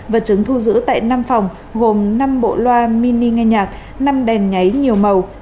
vật chứng thu giữ tại năm phòng gồm năm bộ loa mini nghe nhạc năm đèn nháy nhiều màu